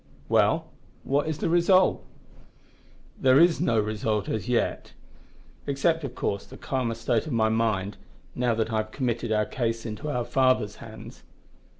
"Well, what is the result?" "There is no result as yet except, of course, the calmer state of my mind, now that I have committed our case into our Father's hands."